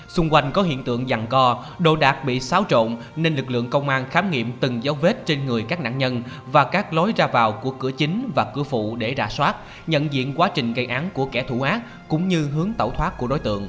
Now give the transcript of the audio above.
xung quanh có hiện tượng dăn co đồ đạc bị xáo trộn nên lực lượng công an khám nghiệm từng dấu vết trên người các nạn nhân và các lối ra vào của cửa chính và cửa phụ để rà soát nhận diện quá trình gây án của kẻ thù ác cũng như hướng tẩu thoát của đối tượng